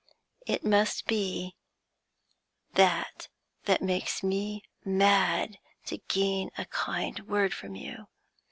It must be that that makes me mad to gain a kind word from you.